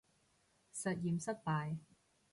實驗失敗